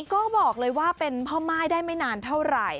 ก็บอกเลยว่าเป็นพ่อม่ายได้ไม่นานเท่าไหร่